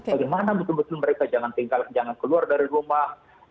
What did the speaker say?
bagaimana betul betul mereka jangan keluar dari rumah